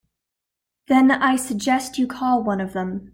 Then I suggest you call one of them.